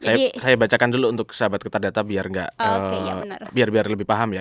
saya bacakan dulu untuk sahabat kerta data biar lebih paham ya